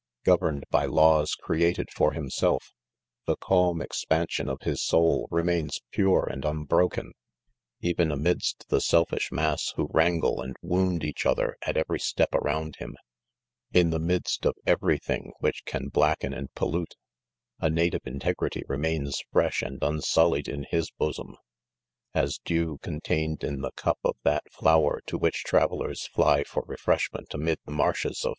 Governed by laws crea ted for himself, the calm expansion of his soul remains pure and unbroken 5 even amidst the selfish mass who wrangle and wound each other, at every step around him* In the midst of every thins which can blacken and pollute, 20 ; IUQMEN* a native, integrity, remains fresh and unsullied in his bosom $ as dew contained in the cup of that flower to which travellers fly for refresh ment amid the marshes of.